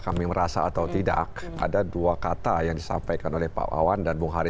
kami merasa atau tidak ada dua kata yang saya kalian sampilkan oleh pak awan dan buiau